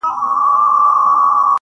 او جارچي به په هغه گړي اعلان كړ.!